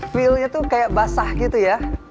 feelnya tuh kayak basah gitu ya